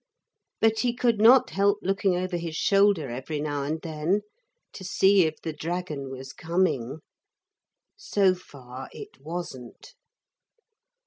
But he could not help looking over his shoulder every now and then to see if the dragon was coming. So far it wasn't.